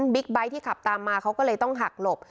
ไบท์ที่ขับตามมาเขาก็เลยต้องหักหลบ